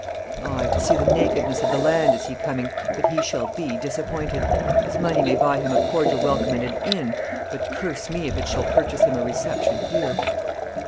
"Aye, to see the nakedness of the land is he coming, but he shall be disappointed. His money may buy him a cordial welcome at an inn, but curse me if it shall purchase him a reception here."